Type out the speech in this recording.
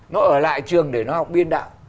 nó ở lại trường để nó học biên đạo